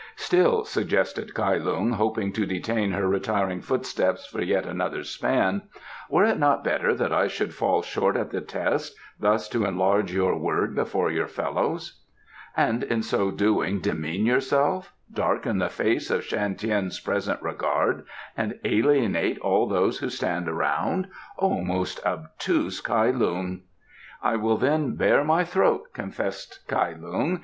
"Still," suggested Kai Lung, hoping to detain her retiring footsteps for yet another span, "were it not better that I should fall short at the test, thus to enlarge your word before your fellows?" "And in so doing demean yourself, darken the face of Shan Tien's present regard, and alienate all those who stand around! O most obtuse Kai Lung!" "I will then bare my throat," confessed Kai Lung.